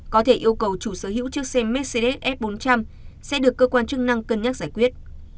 có thể yêu cầu chủ sở hữu chiếc xe mercedes f bốn trăm linh sẽ được cơ quan chức năng cân nhắc giải quyết